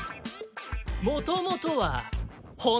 もともとは骨。